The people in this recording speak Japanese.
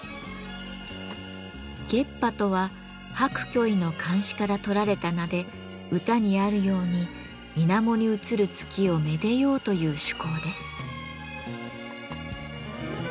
月波とは白居易の漢詩から取られた名で歌にあるように水面に映る月をめでようという趣向です。